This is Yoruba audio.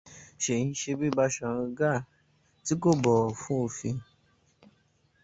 Ṣèyí ń ṣe bíi Baṣọ̀run Gáà, tí kò bọ̀wọ̀ fún òfin.